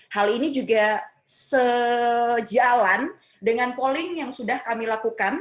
hal ini juga sejalan dengan polling yang sudah kami lakukan